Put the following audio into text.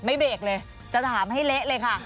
เบรกเลยจะถามให้เละเลยค่ะ